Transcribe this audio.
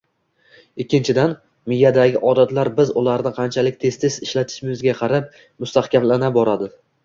Ikkinchidan, miyadagi odatlar biz ularni qanchalik tez-tez ishlatishimizga qarab mustahkamlana boradi